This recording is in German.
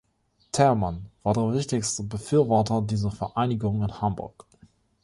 Thälmann war der wichtigste Befürworter dieser Vereinigung in Hamburg.